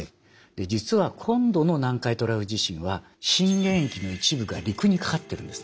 実は今度の南海トラフ地震は震源域の一部が陸にかかってるんです。